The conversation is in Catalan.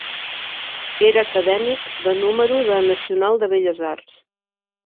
Era acadèmic de número de la Nacional de Belles Arts.